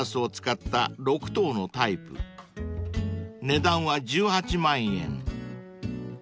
［値段は１８万円］